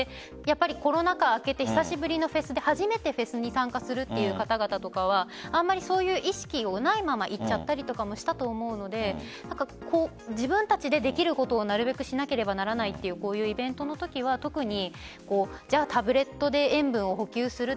コロナ禍明けて久しぶりのフェスで初めてフェスに参加するという方々はあまりそういう意識がないまま行っちゃったりとかしたと思うので自分たちでできることをなるべくしなければならないというイベントのときは特にタブレットで塩分を補給する。